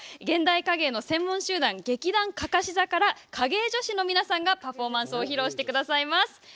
現代影絵の専門集団劇団かかし座から影絵女子の皆さんがパフォーマンスを披露してくださいます。